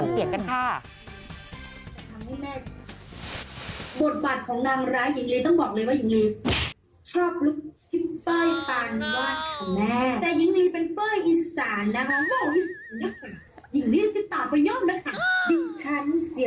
บทบทบทของนางร้ายหญิงลีต้องบอกเลยว่าหญิงลีชอบรุกพี่เป้ยป่านวาดค่ะแม่